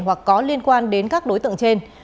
hoặc có liên quan đến các đối tượng trên